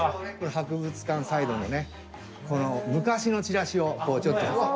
博物館サイドのねこの昔のチラシをこうちょっと復元して。